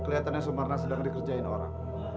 kelihatannya sumarna sedang dikerjain orang